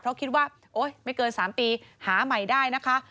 เพราะคิดว่าโอ๊ยไม่เกิน๓ปีหาใหม่ได้นะคะ